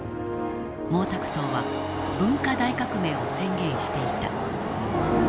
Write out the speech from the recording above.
毛沢東は文化大革命を宣言していた。